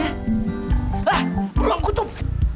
hah beruang kutub